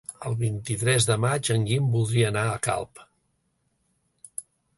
El vint-i-tres de maig en Guim voldria anar a Calp.